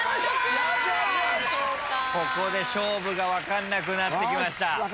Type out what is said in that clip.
ここで勝負が分かんなくなってきました。